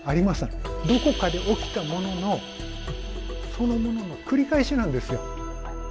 どこかで起きたもののそのものの繰り返しなんですよ。